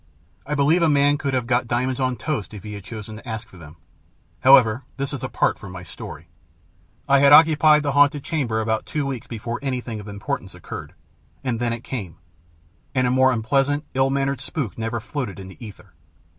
I believe a man could have got diamonds on toast if he had chosen to ask for them. However, this is apart from my story. I had occupied the haunted chamber about two weeks before anything of importance occurred, and then it came and a more unpleasant, ill mannered spook never floated in the ether.